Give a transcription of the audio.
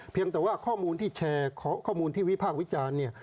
เพียงแต่ว่าข้อมูลที่แชร์ข้อมูลที่วิภาควิจารณ์